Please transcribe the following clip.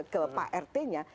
ke pak rt nya